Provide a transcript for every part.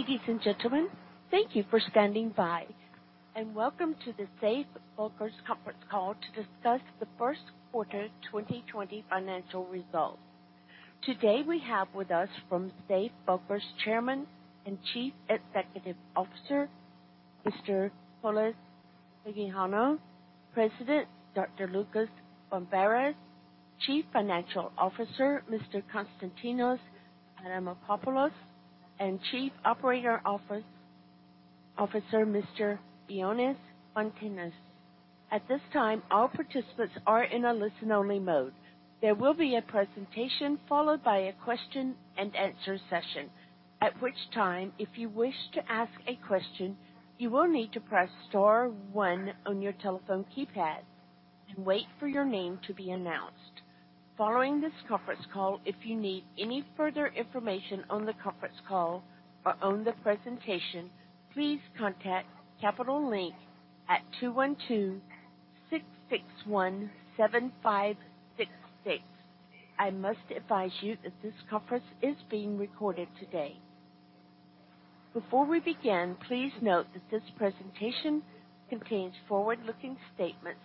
Ladies and gentlemen, thank you for standing by, and welcome to the Safe Bulkers Conference Call to discuss the Q1 2020 Financial Results. Today we have with us from Safe Bulkers, Chairman and Chief Executive Officer, Mr. Polys Hajioannou. President, Dr. Loukas Barmparis. Chief Financial Officer, Mr. Konstantinos Adamopoulos, and Chief Operating Officer, Mr. Ioannis Foteinos. At this time, all participants are in a listen-only mode. There will be a presentation followed by a question and answer session, at which time if you wish to ask a question, you will need to press star one on your telephone keypad and wait for your name to be announced. Following this conference call, if you need any further information on the conference call or on the presentation, please contact Capital Link at 212-661-7566. I must advise you that this conference is being recorded today. Before we begin, please note that this presentation contains forward-looking statements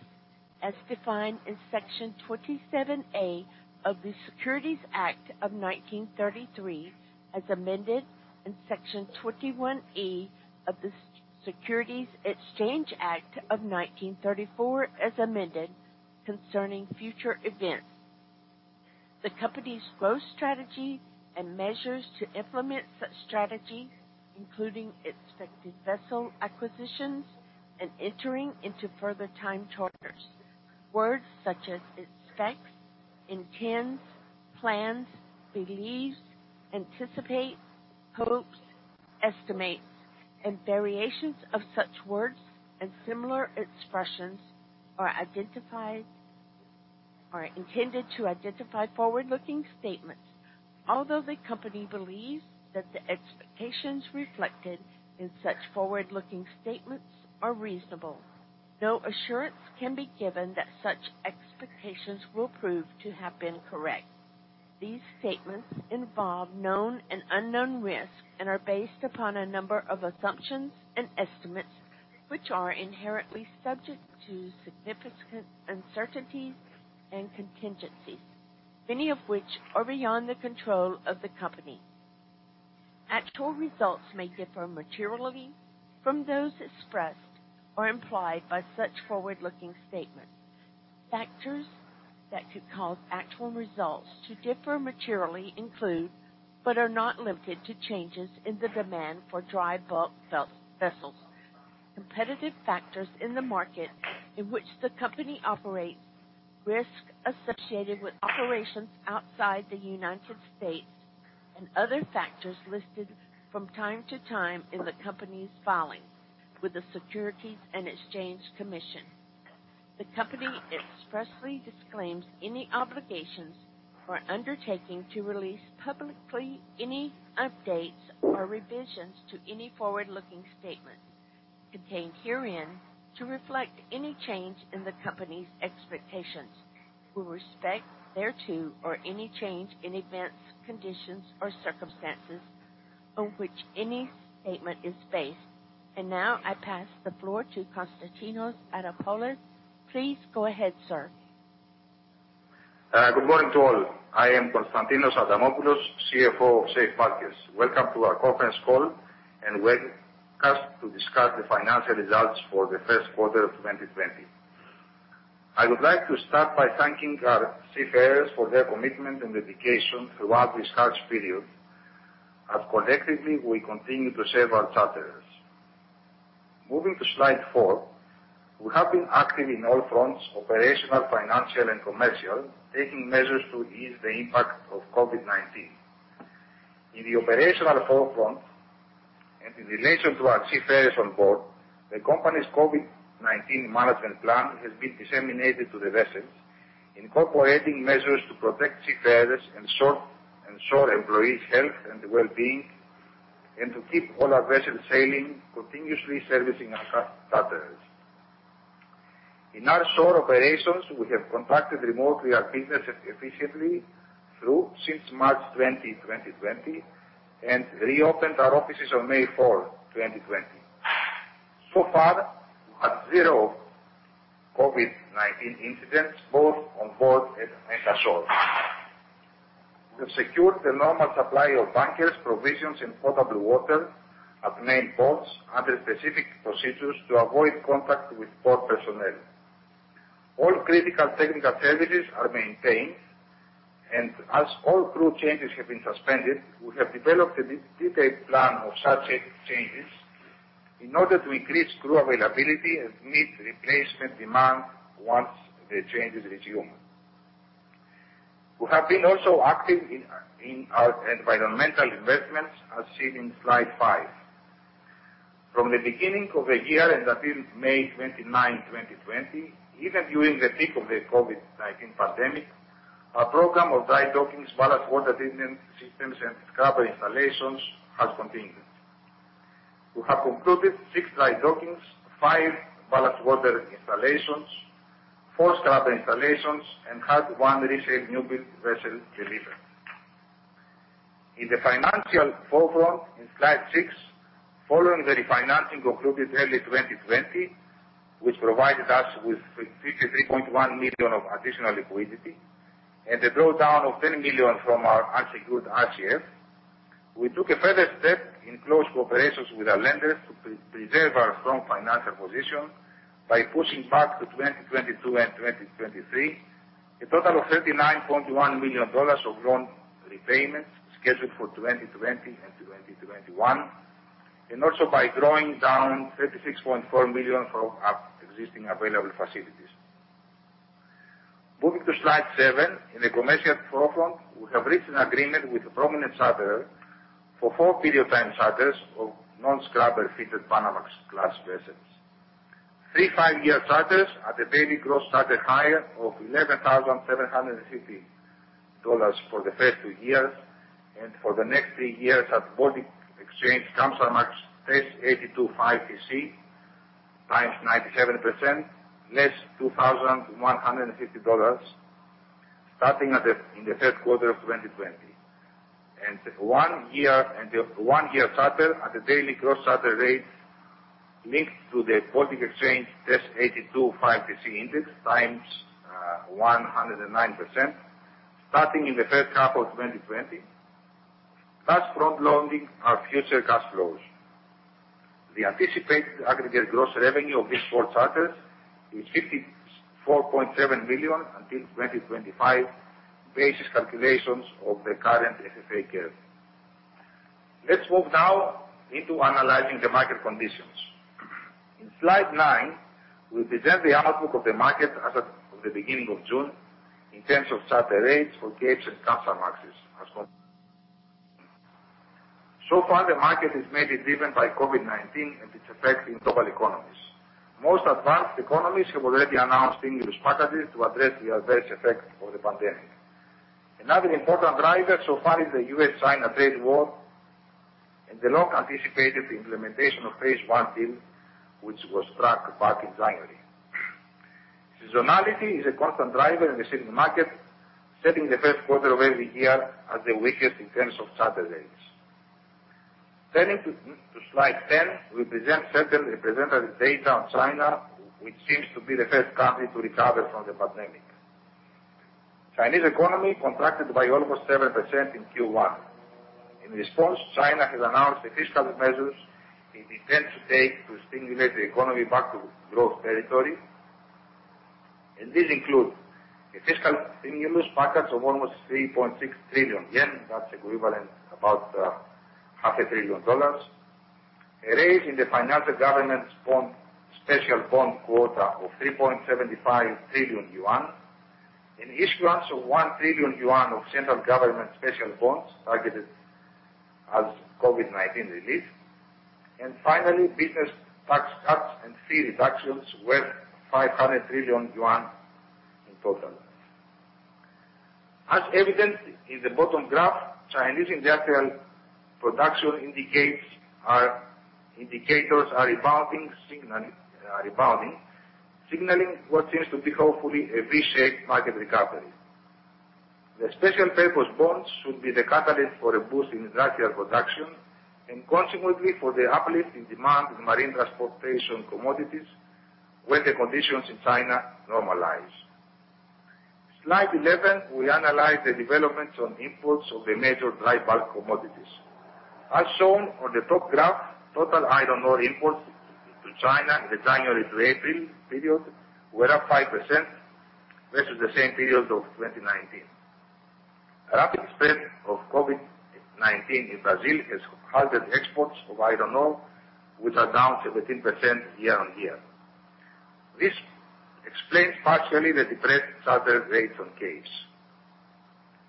as defined in Section 27A of the Securities Act of 1933, as amended in Section 21E of the Securities Exchange Act of 1934, as amended concerning future events. The company's growth strategy and measures to implement such strategies, including expected vessel acquisitions and entering into further time charters. Words such as expects, intends, plans, believes, anticipate, hopes, estimates, and variations of such words and similar expressions are intended to identify forward-looking statements. Although the company believes that the expectations reflected in such forward-looking statements are reasonable, no assurance can be given that such expectations will prove to have been correct. These statements involve known and unknown risks and are based upon a number of assumptions and estimates, which are inherently subject to significant uncertainties and contingencies, many of which are beyond the control of the company. Actual results may differ materially from those expressed or implied by such forward-looking statements. Factors that could cause actual results to differ materially include, but are not limited to, changes in the demand for dry bulk vessels, competitive factors in the market in which the company operates, risks associated with operations outside the U.S., and other factors listed from time to time in the company's filings with the Securities and Exchange Commission. The company expressly disclaims any obligations or undertaking to release publicly any updates or revisions to any forward-looking statements contained herein to reflect any change in the company's expectations with respect thereto or any change in events, conditions, or circumstances on which any statement is based. Now I pass the floor to Konstantinos Adamopoulos. Please go ahead, sir. Good morning to all. I am Konstantinos Adamopoulos, CFO of Safe Bulkers. Welcome to our conference call, and welcome to discuss the financial results for the Q1 of 2020. I would like to start by thanking our seafarers for their commitment and dedication throughout this harsh period, as collectively, we continue to serve our charters. Moving to slide four. We have been active in all fronts, operational, financial, and commercial, taking measures to ease the impact of COVID-19. In the operational forefront and in relation to our seafarers on board, the company's COVID-19 management plan has been disseminated to the vessels, incorporating measures to protect seafarers and shore employees' health and well-being, and to keep all our vessels sailing, continuously servicing our charters. In our shore operations, we have conducted remotely our business efficiently through since March 2020 and reopened our offices on May 4, 2020. So far, we have zero COVID-19 incidents, both on board and at shore. We have secured the normal supply of bunkers, provisions, and potable water at main ports under specific procedures to avoid contact with port personnel. All critical technical services are maintained, and as all crew changes have been suspended, we have developed a detailed plan of such changes in order to increase crew availability and meet replacement demand once the changes resume. We have been also active in our environmental investments as seen in slide five. From the beginning of the year and until May 29, 2020, even during the peak of the COVID-19 pandemic, our program of dry dockings, ballast water treatment systems, and scrubber installations has continued. We have completed six dry dockings, five ballast water installations, four scrubber installations and had one resale newbuild vessel delivered. In the financial forefront in slide six, following the refinancing concluded early 2020, which provided us with $53.1 million of additional liquidity and the drawdown of $3 million from our unsecured RCF, we took a further step in close cooperation with our lenders to preserve our strong financial position by pushing back to 2022 and 2023, a total of $39.1 million of loan repayments scheduled for 2020 and 2021. Also by drawing down $36.4 million from our existing available facilities. Moving to slide seven. In the commercial forefront, we have reached an agreement with a prominent charterer for four period time charters of non-scrubber fitted Panamax class vessels. Three five-year charters at the daily gross charter hire of $11,750 for the first two years and for the next three years at Baltic Exchange Times 97%, less $2,150, starting in the Q3 of 2020. The one-year charter at the daily time charter rate linked to the Baltic Exchange BPI 82 TC times 109%, starting in the H1 of 2020, thus front-loading our future cash flows. The anticipated aggregate gross revenue of these four charters is $54.7 million until 2025, based on calculations of the current FFA curve. Let's move now into analyzing the market conditions. In slide nine, we present the outlook of the market as at the beginning of June in terms of charter rates for Capes and Panamax as well. So far, the market is mainly driven by COVID-19 and its effects in global economies. Most advanced economies have already announced stimulus packages to address the adverse effects of the pandemic. Another important driver so far is the U.S.-China trade war and the long-anticipated implementation of phase one deal, which was struck back in January. Seasonality is a constant driver in the shipping market, setting the first quarter of every year as the weakest in terms of charter rates. Turning to slide 10, we present certain representative data on China, which seems to be the first country to recover from the pandemic. Chinese economy contracted by almost 7% in Q1. In response, China has announced the fiscal measures it intends to take to stimulate the economy back to growth territory. These include a fiscal stimulus package of almost CNY 3.6 trillion. That's equivalent about half a trillion dollars. A raise in the financial government's special bond quota of 3.75 trillion yuan and issuance of 1 trillion yuan of central government special bonds targeted as COVID-19 relief, and finally, business tax cuts and fee reductions worth 500 trillion yuan in total. As evidenced in the bottom graph, Chinese industrial production indicators are rebounding, signaling what seems to be hopefully a V-shaped market recovery. The special purpose bonds should be the catalyst for a boost in industrial production and consequently for the uplift in demand in marine transportation commodities when the conditions in China normalize. Slide 11, we analyze the developments on imports of the major dry bulk commodities. As shown on the top graph, total iron ore imports into China in the January to April period were up 5% versus the same period of 2019. Rapid spread of COVID-19 in Brazil has halted exports of iron ore, which are down 17% year-on-year. This explains partially the depressed charter rates on Capes.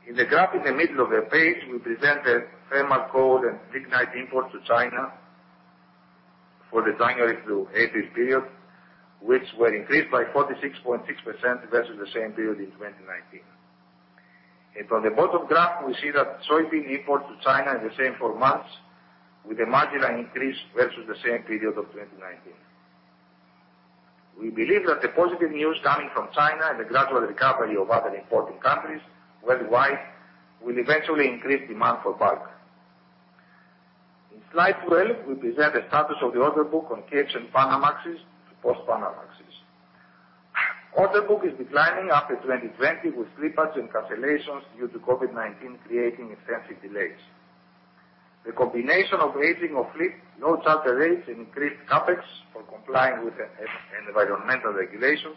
In the graph in the middle of the page, we present the thermal coal and lignite imports to China for the January to April period, which were increased by 46.6% versus the same period in 2019. From the bottom graph, we see that soybean imports to China in the same four months with a marginal increase versus the same period of 2019. We believe that the positive news coming from China and the gradual recovery of other importing countries worldwide will eventually increase demand for bulk. In slide 12, we present the status of the order book on Capes and Panamax to Post-Panamax. Order book is declining after 2020 with slippage and cancellations due to COVID-19 creating extensive delays. The combination of aging of fleet, low charter rates, and increased CapEx for complying with environmental regulations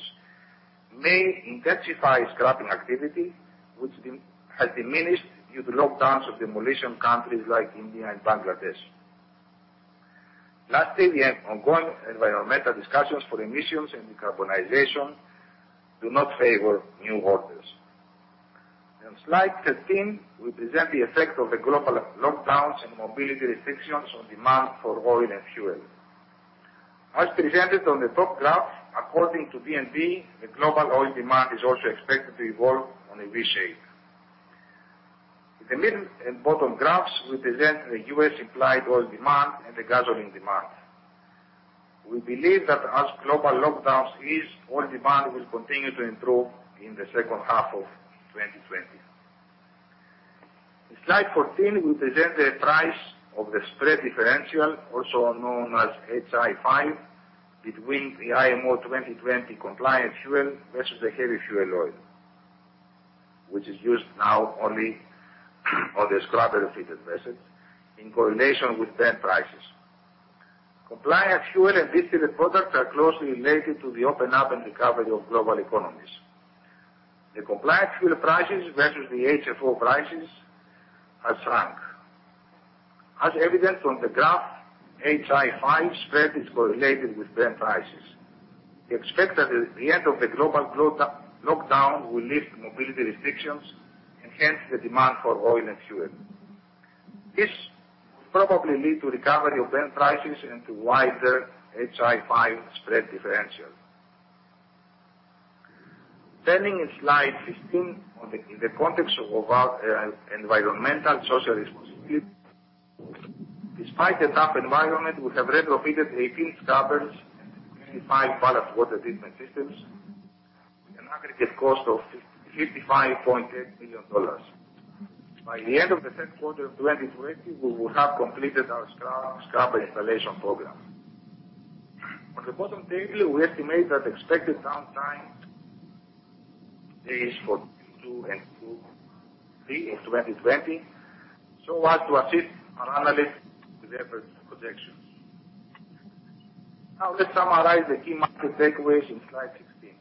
may intensify scrapping activity, which has diminished due to lockdowns of demolition countries like India and Bangladesh. Lastly, the ongoing environmental discussions for emissions and decarbonization do not favor new orders. In slide 13, we present the effect of the global lockdowns and mobility restrictions on demand for oil and fuel. As presented on the top graph, according to BNEF, the global oil demand is also expected to evolve in a V-shape. The middle and bottom graphs represent the U.S. implied oil demand and the gasoline demand. We believe that as global lockdowns ease, oil demand will continue to improve in the H2 of 2020. In slide 14, we present the price of the spread differential, also known as Hi-5, between the IMO 2020 compliant fuel versus the heavy fuel oil, which is used now only on the scrubber-fitted vessels in correlation with Brent prices. Compliant fuel and distillate products are closely related to the open up and recovery of global economies. The compliant fuel prices versus the HFO prices have shrunk. As evidenced on the graph, Hi-5 spread is correlated with Brent prices. We expect that the end of the global lockdown will lift mobility restrictions and hence the demand for oil and fuel. This will probably lead to recovery of Brent prices and to wider Hi-5 spread differential. Turning in slide 15, in the context of our environmental social responsibility, despite the tough environment, we have retrofitted 18 scrubbers and 25 ballast water treatment systems with an aggregate cost of $55.8 million. By the end of the Q3 of 2020, we will have completed our scrubber installation program. On the bottom table, we estimate that expected downtime days for 2022 and 2023 in 2020 so as to assist our analysts with their projections. Let's summarize the key market takeaways in slide 16.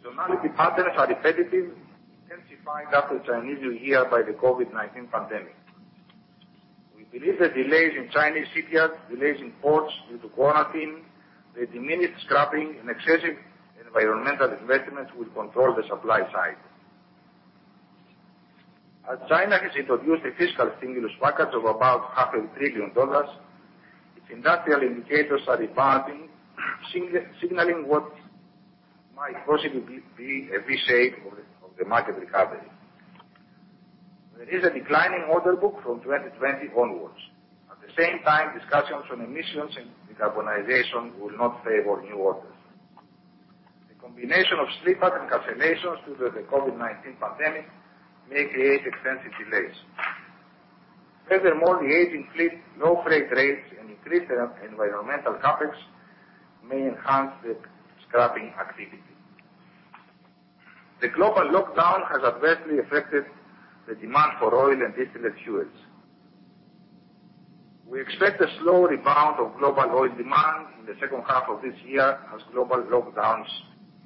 Seasonality patterns are repetitive, intensified after a Chinese New Year by the COVID-19 pandemic. We believe the delays in Chinese shipyards, delays in ports due to quarantine, the diminished scrapping, and excessive environmental investments will control the supply side. China has introduced a fiscal stimulus package of about half a trillion dollars, its industrial indicators are rebounding, signaling what might possibly be a V-shape of the market recovery. There is a declining order book from 2020 onwards. At the same time, discussions on emissions and decarbonization will not favor new orders. The combination of slip-up and cancellations due to the COVID-19 pandemic may create extensive delays. Furthermore, the aging fleet, low freight rates, and increased environmental CapEx may enhance the scrapping activity. The global lockdown has adversely affected the demand for oil and distillate fuels. We expect a slow rebound of global oil demand in the second half of this year as global lockdowns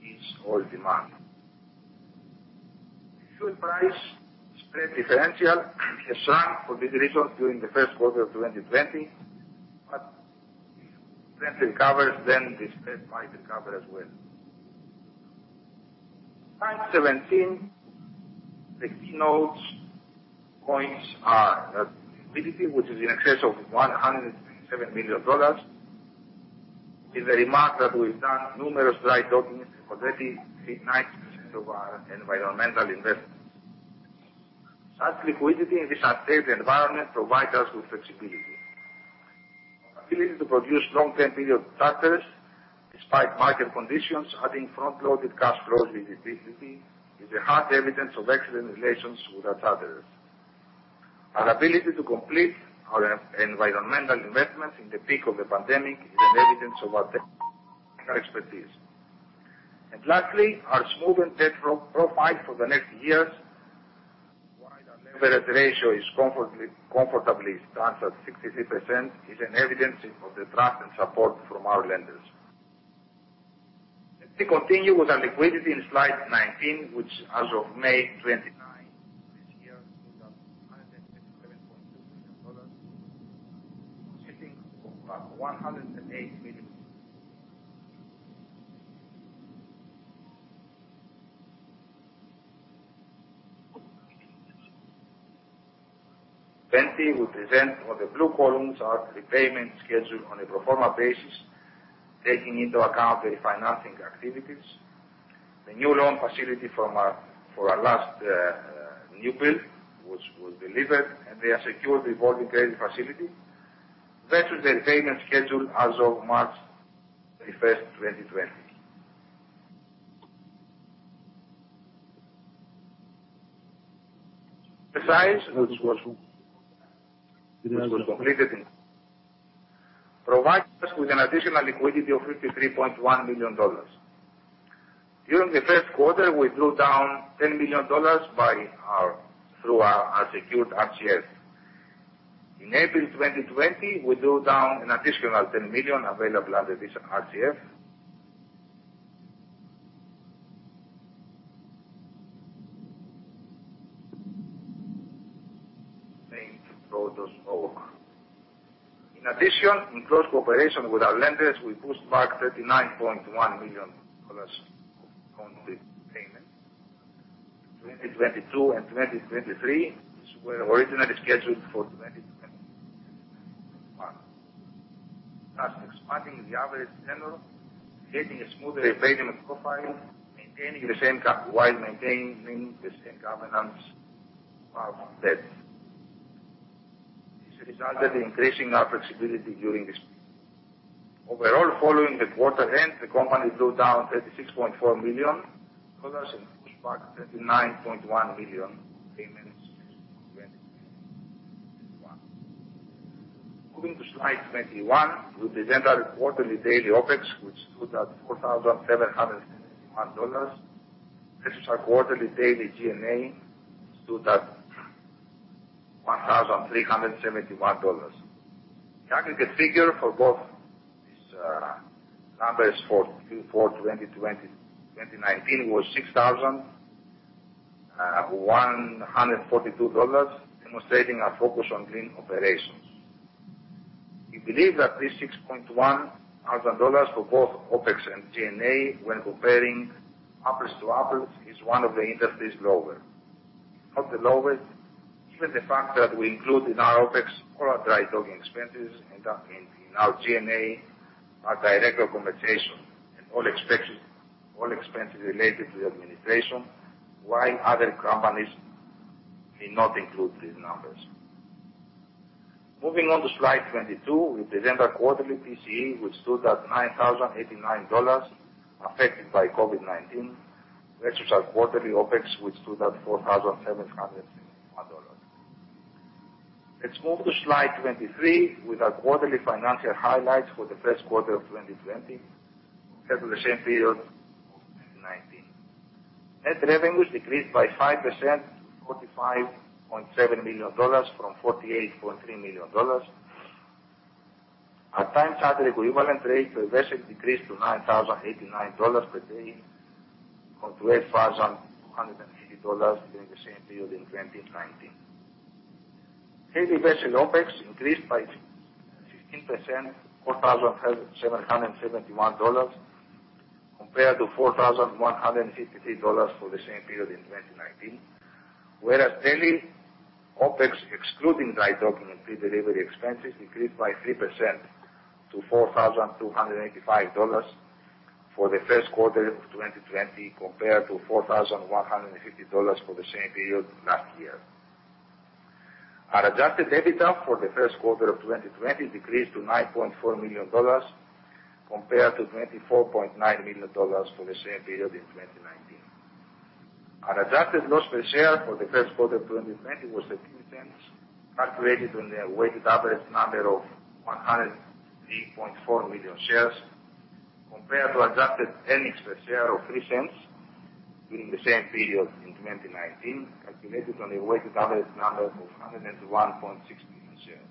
ease oil demand. The fuel price spread differential has shrunk for this reason during the Q1 of 2020, but if Brent recovers, then the spread might recover as well. Slide 17, the key notes points are that liquidity, which is in excess of $127 million, is a remark that we've done numerous dry dockings and already 90% of our environmental investments. Such liquidity in this unsafe environment provides us with flexibility. Our ability to produce long-term period charters despite market conditions, adding front-loaded cash flows with this facility, is a hard evidence of excellent relations with our charterers. Our ability to complete our environmental investments in the peak of the pandemic is an evidence of our technical expertise. Lastly, our smooth and debt profile for the next years, while our leverage ratio is comfortably stands at 63%, is an evidence of the trust and support from our lenders. Let me continue with our liquidity in slide 19, which as of May 29 this year, stood at $127.2 million, shifting from $108 million. 20 will present what the blue columns are, the repayment schedule on a pro forma basis, taking into account the refinancing activities. The new loan facility for our last new build, which was delivered, and the unsecured revolving credit facility. That is the repayment schedule as of March 31st, 2020. No, this was from- This was completed in Provides us with an additional liquidity of $53.1 million. During the Q1, we drew down $10 million through our unsecured RCF. In April 2020, we drew down an additional $10 million available under this RCF named Troodos Oak. In addition, in close cooperation with our lenders, we pushed back $39.1 million of principal repayments. 2022 and 2023, which were originally scheduled for 2021 in the average tenor, creating a smoother repayment profile while maintaining the same governance path of debt. This resulted in increasing our flexibility during this period. Overall, following the quarter end, the company drew down $36.4 million and pushed back $39.1 million repayments to 2021. Moving to slide 21, we present our quarterly daily OPEX, which stood at $4,771 versus our quarterly daily G&A, stood at $1,371. The aggregate figure for both these numbers for Q4 2019 was $6,142, demonstrating our focus on lean operations. We believe that this $6.1 thousand for both OPEX and G&A when comparing apples to apples, is one of the industry's lowest. Not the lowest, given the fact that we include in our OPEX all our dry docking expenses and in our G&A, our director compensation and all expenses related to the administration, while other companies may not include these numbers. Moving on to slide 22, we present our quarterly TCE, which stood at $9,089, affected by COVID-19, versus our quarterly OPEX, which stood at $4,771. Let's move to slide 23 with our quarterly financial highlights for the Q1 of 2020 compared to the same period of 2019. Net revenues decreased by 5% to $45.7 million from $48.3 million. Our time charter equivalent rate per vessel decreased to $9,089 per day from $12,250 during the same period in 2019. Daily vessel OPEX increased by 15% to $4,771 compared to $4,153 for the same period in 2019. Whereas daily OPEX excluding dry docking and pre-delivery expenses increased by 3% to $4,285 for the Q1 of 2020 compared to $4,150 for the same period last year. Our adjusted EBITDA for the Q1 of 2020 decreased to $9.4 million compared to $24.9 million for the same period in 2019. Our adjusted loss per share for the Q1 of 2020 was $0.13, calculated on a weighted average number of 103.4 million shares, compared to adjusted earnings per share of $0.03 during the same period in 2019, calculated on a weighted average number of 101.6 million shares.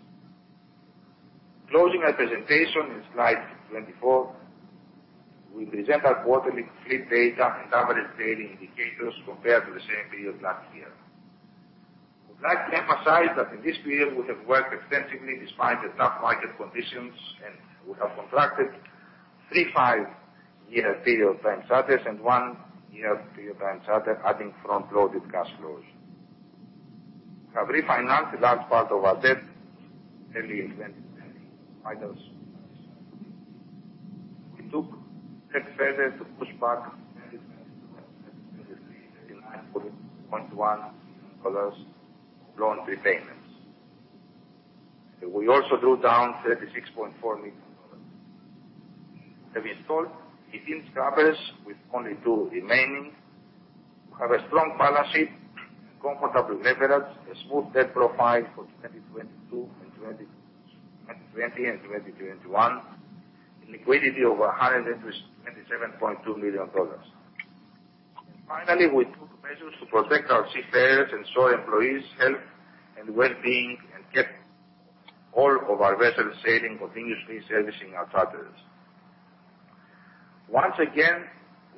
Closing our presentation in slide 24, we present our quarterly fleet data and average daily indicators compared to the same period last year. I would like to emphasize that in this period, we have worked extensively despite the tough market conditions, we have contracted three, five-year period time charters and one year period time charter, adding front-loaded cash flows. We have refinanced a large part of our debt early in 2020. We took six vessels to push back $39.1 million loan repayments. We also drew down $36.4 million. We have installed 18 scrubbers with only two remaining. We have a strong balance sheet, comfortable leverage, a smooth debt profile for 2020 and 2021, and liquidity over $127.2 million. Finally, we took measures to protect our seafarers and shore employees' health and well-being and kept all of our vessels sailing, continuously servicing our charters. Once again,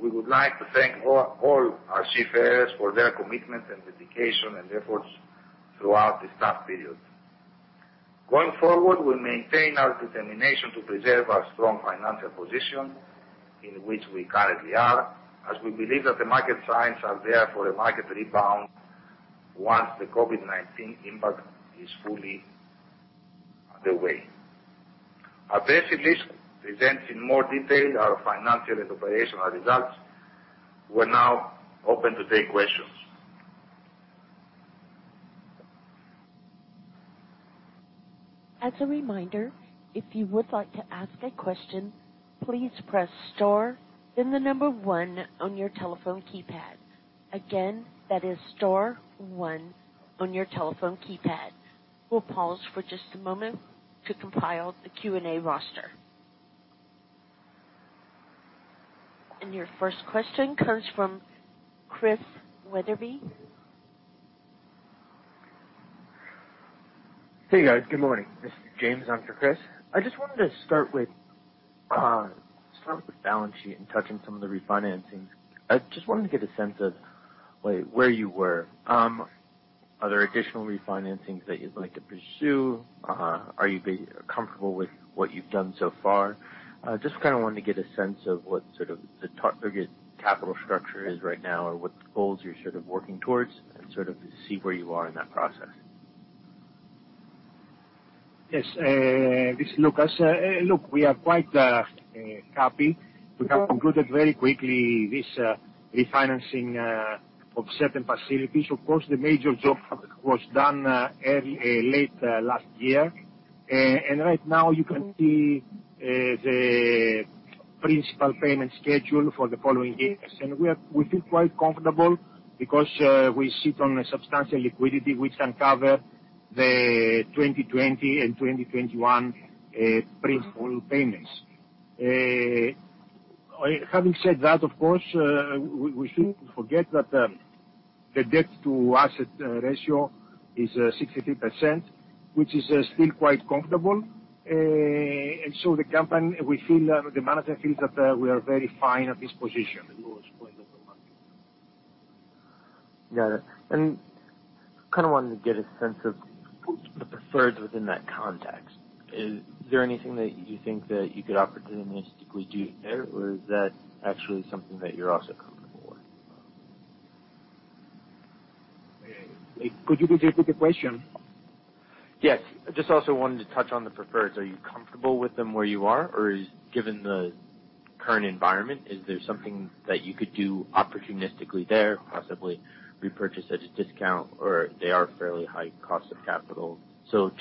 we would like to thank all our seafarers for their commitment and dedication and efforts throughout this tough period. Going forward, we'll maintain our determination to preserve our strong financial position in which we currently are, as we believe that the market signs are there for a market rebound once the COVID-19 impact is fully out of the way. Our press release presents in more detail our financial and operational results. We're now open to take questions. As a reminder, if you would like to ask a question, please press star then the number one on your telephone keypad. Again, that is star one on your telephone keypad. We'll pause for just a moment to compile the Q&A roster. Your first question comes from Chris Wetherbee. Hey, guys. Good morning. This is James onto Chris. I just wanted to start with the balance sheet and touching some of the refinancings. I just wanted to get a sense of where you were. Are there additional refinancings that you'd like to pursue? Are you comfortable with what you've done so far? Just wanted to get a sense of what sort of the target capital structure is right now or what the goals you're working towards and see where you are in that process. Yes. This is Loukas. Look, we are quite happy to have concluded very quickly this refinancing of certain facilities. Of course, the major job was done late last year. Right now you can see the principal payment schedule for the following years. We feel quite comfortable because we sit on a substantial liquidity which can cover the 2020 and 2021 principal payments. Having said that, of course, we shouldn't forget that the debt to asset ratio is 63%, which is still quite comfortable. The management feels that we are very fine at this position. Got it. Kind of wanted to get a sense of the preferreds within that context. Is there anything that you think that you could opportunistically do there, or is that actually something that you're also comfortable with? Could you repeat the question? Yes. Just also wanted to touch on the preferreds. Are you comfortable with them where you are? Given the current environment, is there something that you could do opportunistically there, possibly repurchase at a discount, or they are fairly high cost of capital? To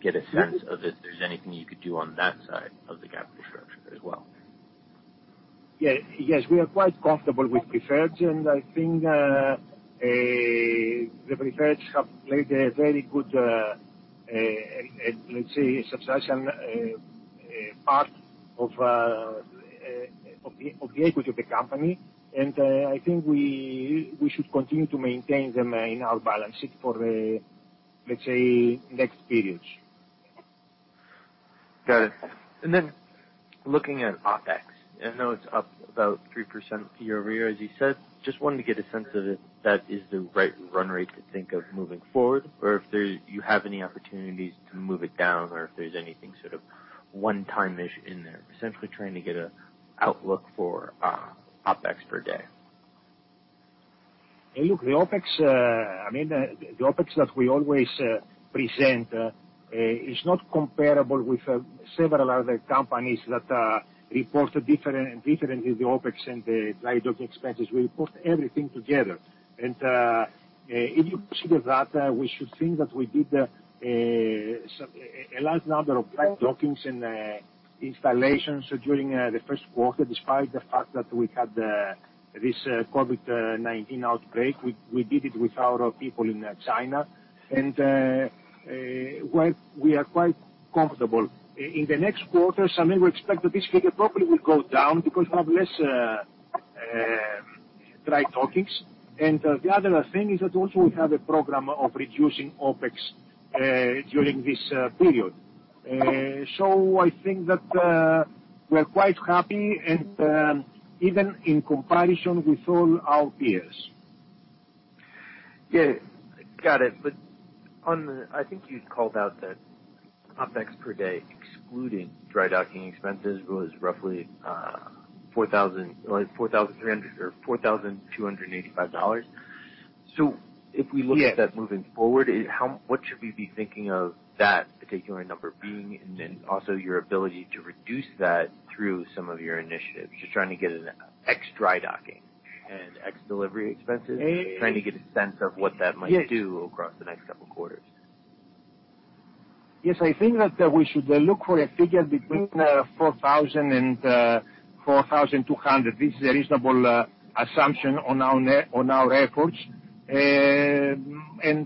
get a sense of if there's anything you could do on that side of the capital structure as well. Yes, we are quite comfortable with preferreds, and I think the preferreds have played a very good, let's say, substantial part of the equity of the company. I think we should continue to maintain them in our balance sheet for, let's say, next periods. Got it. Looking at OpEx, I know it's up about 3% year-over-year, as you said. Just wanted to get a sense of if that is the right run rate to think of moving forward, or if you have any opportunities to move it down, or if there's anything sort of one-time-ish in there. Essentially trying to get a outlook for OpEx per day. Look, the OPEX that we always present is not comparable with several other companies that report differently the OPEX and the dry docking expenses. We put everything together. If you proceed with that, we should think that we did a large number of dry dockings and installations during the first quarter, despite the fact that we had this COVID-19 outbreak. We did it with our people in China, and we are quite comfortable. In the next quarter, I mean, we expect that this figure probably will go down because we have less dry dockings. The other thing is that also we have a program of reducing OPEX during this period. I think that we are quite happy and even in comparison with all our peers. Yeah. Got it. I think you called out that OpEx per day, excluding dry docking expenses, was roughly $4,285. If we look at that moving forward, what should we be thinking of that particular number being? Also your ability to reduce that through some of your initiatives. Just trying to get an ex dry docking and ex delivery expenses. Trying to get a sense of what that might do across the next couple of quarters. Yes, I think that we should look for a figure between $4,000 and $4,200. This is a reasonable assumption on our efforts. On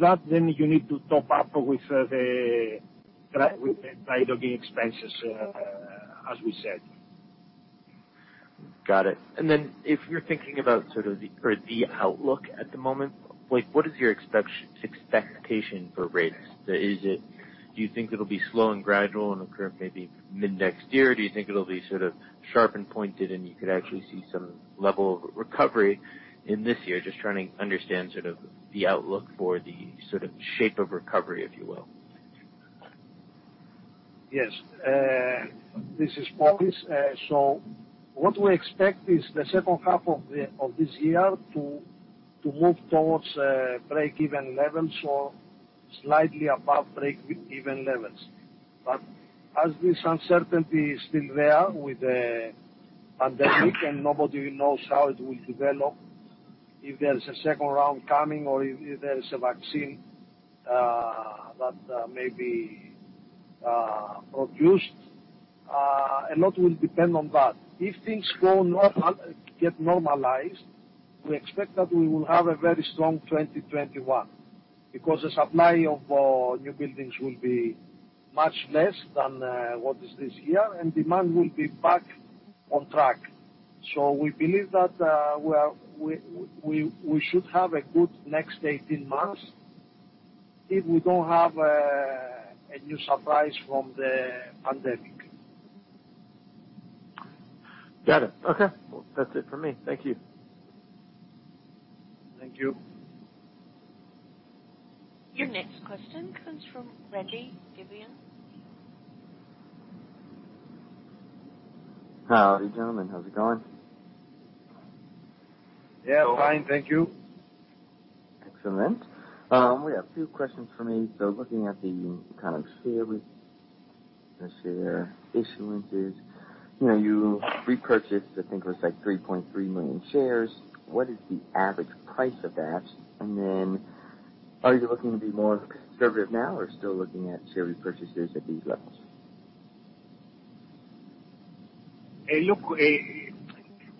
that, then you need to top up with the dry docking expenses, as we said. Got it. If you're thinking about the outlook at the moment, what is your expectation for rates? Do you think it'll be slow and gradual and occur maybe mid next year? Do you think it'll be sort of sharp and pointed and you could actually see some level of recovery in this year? Just trying to understand the outlook for the shape of recovery, if you will. Yes. This is Polys. What we expect is the second half of this year to move towards break-even levels or slightly above break-even levels. As this uncertainty is still there with the pandemic and nobody knows how it will develop, if there's a second round coming or if there's a vaccine that may be produced, a lot will depend on that. If things get normalized, we expect that we will have a very strong 2021, because the supply of new buildings will be much less than what is this year, and demand will be back on track. We believe that we should have a good next 18 months if we don't have a new surprise from the pandemic. Got it. Okay. Well, that's it for me. Thank you. Thank you. Your next question comes from Reggie Vivian. Howdy, gentlemen. How's it going? Yeah, fine. Thank you. Excellent. We have a few questions for me. Looking at the kind of share issuances, you repurchased, I think it was like 3.3 million shares. What is the average price of that? Are you looking to be more conservative now or still looking at share repurchases at these levels? Look,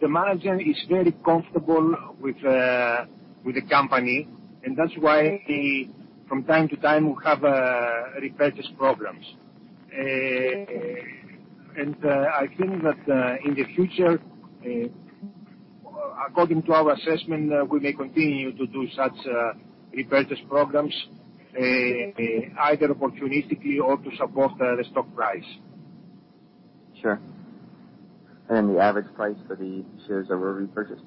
the margin is very comfortable with the company, and that's why from time to time, we have repurchase programs. I think that in the future, according to our assessment, we may continue to do such repurchase programs, either opportunistically or to support the stock price. Sure. The average price for the shares that were repurchased?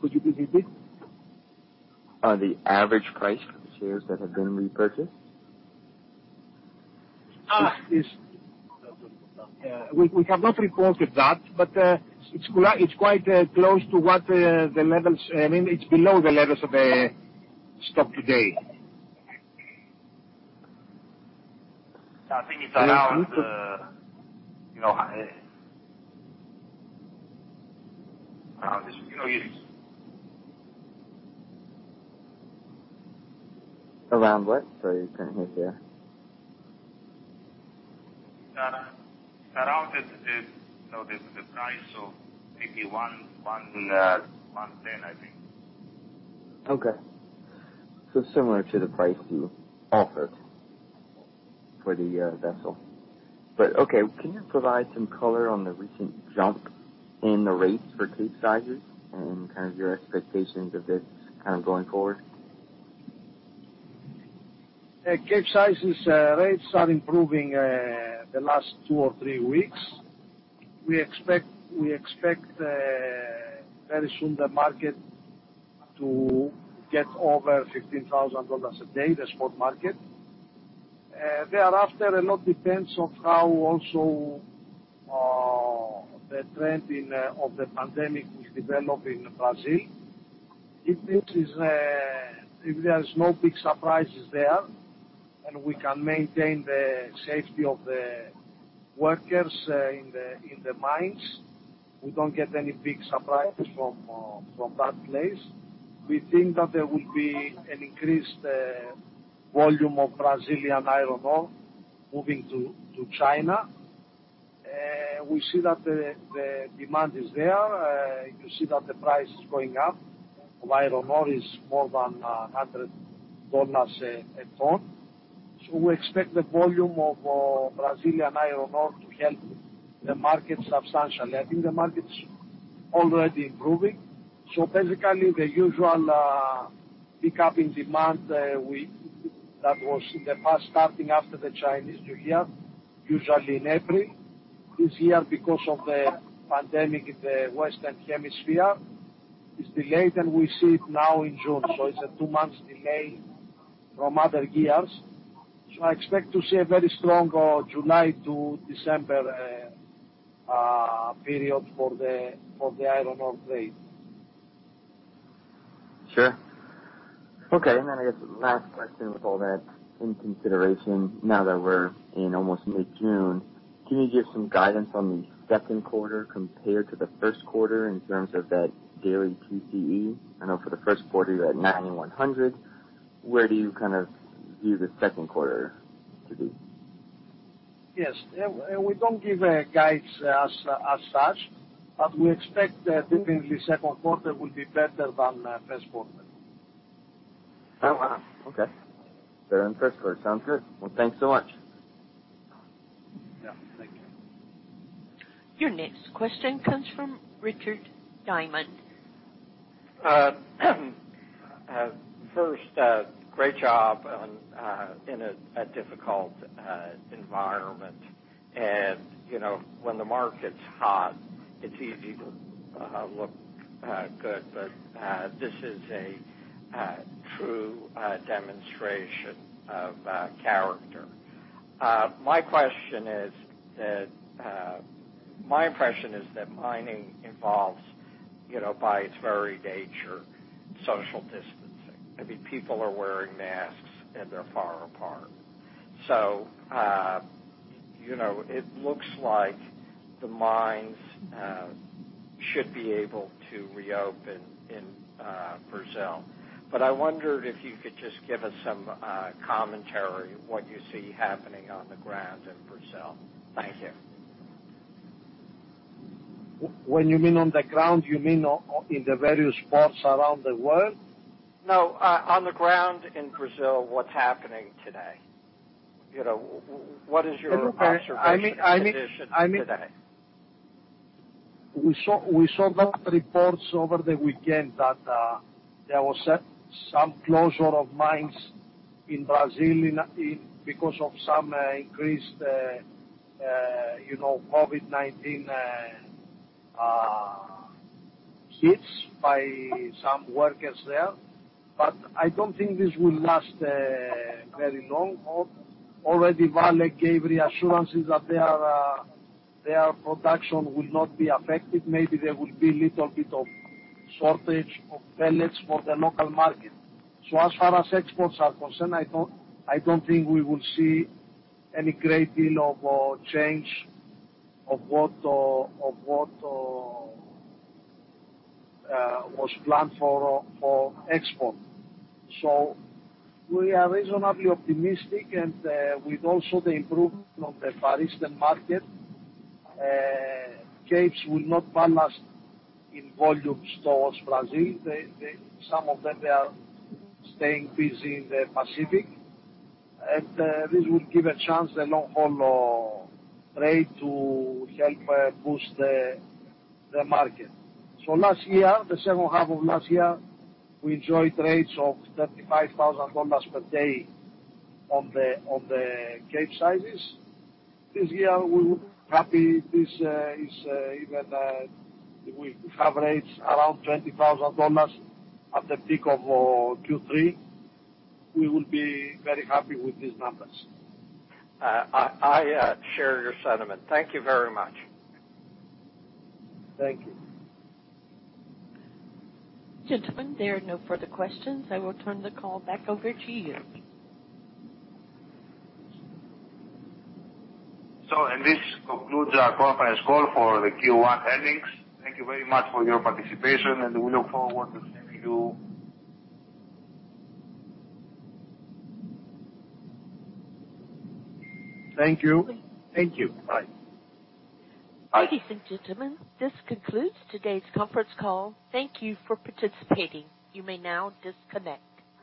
Could you repeat please? The average price for the shares that have been repurchased. We have not reported that, but it's below the levels of stock today. I think it's around the. Around what? Sorry, couldn't hear you. Around the price of maybe $1, $1.10, I think. Similar to the price you offered for the vessel. Can you provide some color on the recent jump in the rates for Capesizes and kind of your expectations of this going forward? Capesize rates are improving the last two or three weeks. We expect very soon the market to get over $15,000 a day, the spot market. Thereafter, a lot depends on how also the trend of the pandemic will develop in Brazil. If there's no big surprises there, and we can maintain the safety of the workers in the mines, we don't get any big surprises from that place. We think that there will be an increased volume of Brazilian iron ore moving to China. We see that the demand is there. You see that the price is going up of iron ore is more than $100 a ton. We expect the volume of Brazilian iron ore to help the market substantially. I think the market's already improving. Basically, the usual pickup in demand that was in the past starting after the Chinese New Year, usually in every this year because of the pandemic in the Western Hemisphere is delayed, and we see it now in June. It's a two-month delay from other years. I expect to see a very strong July to December period for the iron ore trade. Sure. Okay, I guess last question with all that in consideration, now that we're in almost mid-June, can you give some guidance on the Q2 compared to the first quarter in terms of that daily TCE? I know for the Q1, you had $9,100. Where do you view the second quarter to be? Yes. We don't give guides as such, but we expect definitely second quarter will be better than first quarter. Oh, wow. Okay. Better than Q1. Sounds good. Well, thanks so much. Yeah. Thank you. Your next question comes from Richard Diamond. First, great job in a difficult environment. When the market's hot, it's easy to look good. This is a true demonstration of character. My impression is that mining involves, by its very nature, social distancing. I mean, people are wearing masks and they're far apart. It looks like the mines should be able to reopen in Brazil. I wondered if you could just give us some commentary, what you see happening on the ground in Brazil. Thank you. When you mean on the ground, you mean in the various ports around the world? No, on the ground in Brazil, what's happening today? What is your observation condition today? We saw the reports over the weekend that there was some closure of mines in Brazil because of some increased COVID-19 hits by some workers there. I don't think this will last very long. Already Vale gave reassurances that their production will not be affected. Maybe there will be little bit of shortage of pellets for the local market. As far as exports are concerned, I don't think we will see any great deal of change of what was planned for export. We are reasonably optimistic and with also the improvement on the Far Eastern market, Capes will not ballast in volumes towards Brazil. Some of them are staying busy in the Pacific, this will give a chance, the long haul rate to help boost the market. Last year, the second half of last year, we enjoyed rates of $35,000 per day on the Capesizes. This year, we would be happy if we have rates around $20,000 at the peak of Q3. We will be very happy with these numbers. I share your sentiment. Thank you very much. Thank you. Gentlemen, there are no further questions. I will turn the call back over to you. This concludes our conference call for the Q1 earnings. Thank you very much for your participation, and we look forward to seeing you. Thank you. Thank you. Bye. Ladies and gentlemen, this concludes today's conference call. Thank you for participating. You may now disconnect.